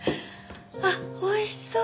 あっ美味しそう！